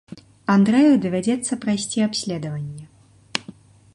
Андрэю давядзецца прайсці абследаванне.